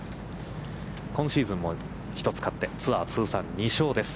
今シーズンも１つ勝って、ツアー通算２勝です。